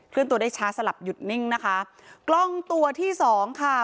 ตัวได้ช้าสลับหยุดนิ่งนะคะกล้องตัวที่สองค่ะ